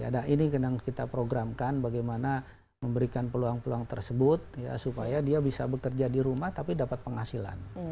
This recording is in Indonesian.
nah ini yang kita programkan bagaimana memberikan peluang peluang tersebut supaya dia bisa bekerja di rumah tapi dapat penghasilan